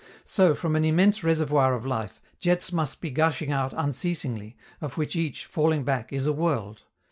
So, from an immense reservoir of life, jets must be gushing out unceasingly, of which each, falling back, is a world.